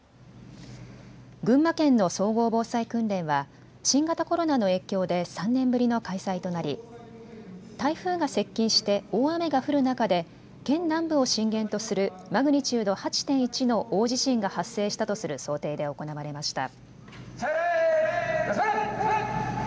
群馬県の総合防災訓練は新型コロナの影響で３年ぶりの開催となり台風が接近して大雨が降る中で県南部を震源とするマグニチュード８．１の大地震が発生したとする想定で行われました。